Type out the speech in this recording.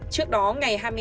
trước đó ngày hai mươi tám